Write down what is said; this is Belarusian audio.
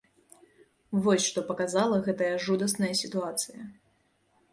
Вось што паказала гэтая жудасная сітуацыя.